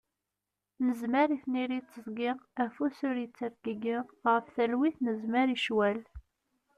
Nezmer i tniri d tiẓgi, afus ur ittergigi, ɣef talwit nezmer i ccwal.